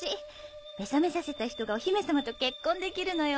目覚めさせた人がお姫様と結婚できるのよ！